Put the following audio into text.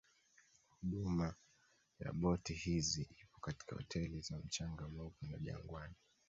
Huduma ya boti hizi ipo katika hoteli za mchanga mweupe na Jangwani